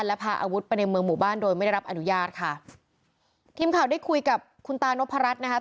และพาอาวุธไปในเมืองหมู่บ้านโดยไม่ได้รับอนุญาตค่ะทีมข่าวได้คุยกับคุณตานพรัชนะคะ